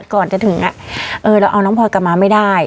ก่อนจะถึงเราเอาน้องพลอยกลับมาไม่ได้